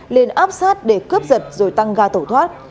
lên áp sát để cướp giật rồi tăng ga tẩu thoát